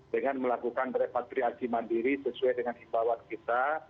dengan melakukan repatriasi mandiri sesuai dengan imbauan kita